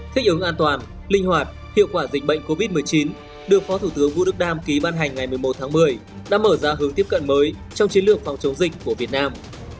thích ứng an toàn linh hoạt hiệu quả dịch bệnh covid một mươi chín được phó thủ tướng vũ đức đam ký ban hành ngày một mươi một tháng một mươi đã mở ra hướng tiếp cận mới trong chiến lược phòng chống dịch của việt nam